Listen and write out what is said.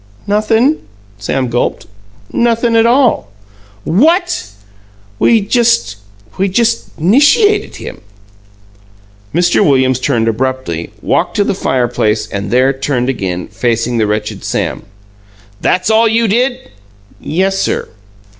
"Nothin'," Sam gulped; "nothin' at all." "What!" "We just we just 'nishiated him." Mr. Williams turned abruptly, walked to the fireplace, and there turned again, facing the wretched Sam. "That's all you did?" "Yes, sir."